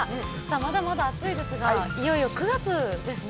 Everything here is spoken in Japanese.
まだまだ暑いですがいよいよ９月ですね。